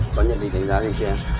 có nhận định thành giá gì kia